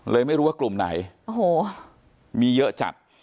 ไม่รู้ว่ากลุ่มไหนโอ้โหมีเยอะจัด